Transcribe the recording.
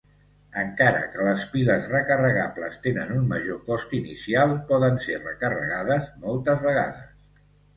Encara que les piles recarregables tenen un major cost inicial, poden ser recarregades moltes vegades.